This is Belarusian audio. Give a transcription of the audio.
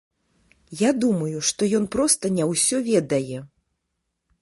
Я думаю, што ён проста не ўсё ведае.